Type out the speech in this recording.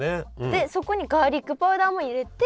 でそこにガーリックパウダーも入れて。